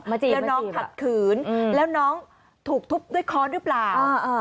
จริงแล้วน้องขัดขืนแล้วน้องถูกทุบด้วยค้อนหรือเปล่า